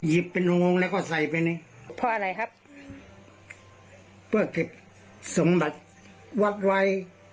เป็นอุโมงแล้วก็ใส่ไปเลยเพราะอะไรครับเพื่อเก็บสมบัติวัดไว้